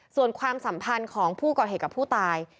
ส่วนความสัมพันธ์ของผู้ก่อเหตุกับผู้ตาย